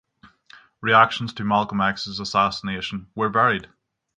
Reactions to MalcolmX's assassination were varied.